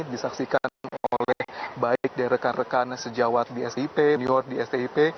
disaksikan oleh baik dari rekan rekan sejawat di stip penyeluruh di stip